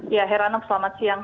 ya heran selamat siang